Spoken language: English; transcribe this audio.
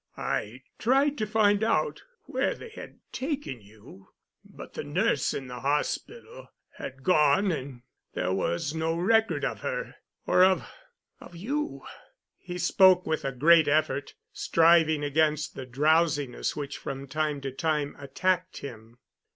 I tried to find out—where they had taken you, but the nurse in the hospital—had gone—and there was no record of her—or of—of you." He spoke with a great effort, striving against the drowsiness which from time to time attacked him.